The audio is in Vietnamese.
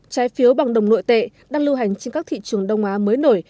trái phiếu bằng đồng nội tệ đang lưu hành trên các thị trường đông á mới nổi